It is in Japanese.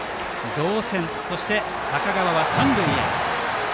同点、そして坂川は三塁へ。